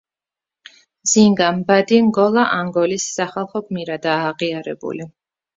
ზინგა მბანდი ნგოლა ანგოლის სახალხო გმირადაა აღიარებული.